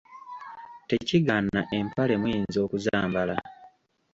Tekigaana empale muyinza okuzambala.